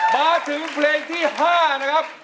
มาถึงเพลงที่๕นะครับ